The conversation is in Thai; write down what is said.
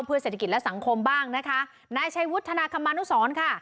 เพื่อเศรษฐกิจและสังคมบ้างนะคะนายชัยวุฒนาคมานุสรค่ะ